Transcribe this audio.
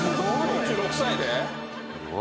４６歳で！？